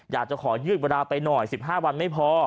อยากจะขอยืดเวลาไปหน่อย๑๕วันไม่พอ